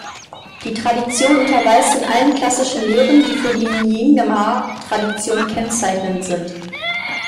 Die Tradition unterweist in allen klassischen Lehren, die für die Nyingma-Tradition kennzeichnend sind.